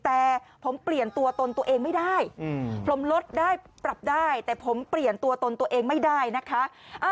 แต่ผมเปลี่ยนตัวตนตัวเองไม่ได้ผมลดได้ปรับได้แต่ผมเปลี่ยนตัวตนตัวเองไม่ได้นะคะ